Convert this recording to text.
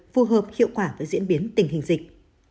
phù hợp hiệu quả với diễn biến tình hình dịch